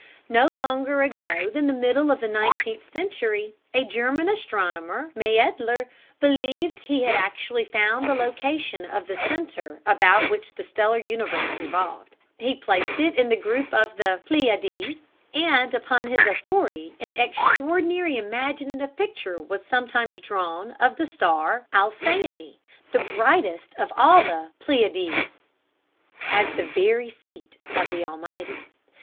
No longer ago than the middle of the nineteenth century a German astronomer, Maedler, believed that he had actually found the location of the center about which the stellar universe revolved. He placed it in the group of the Pleiades, and upon his authority an extraordinary imaginative picture was sometimes drawn of the star Alcyone, the brightest of the Pleiades, as the very seat of the Almighty.